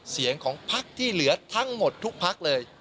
เสียงของพักที่เหลือทั้งหมดทุกพักเลย